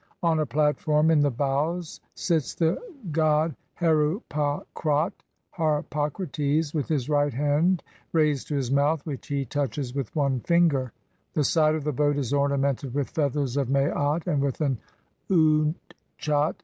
On a platform in the bows sits the god Heru pa khrat (Harpocrates) with his right hand raised to his mouth, which he touches with one finger ; the side of the boat is ornamented with feathers of Maat and with an Utchat.